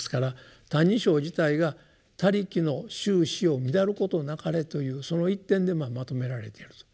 「歎異抄」自体が「他力の宗旨を乱ることなかれ」というその一点でまとめられていると。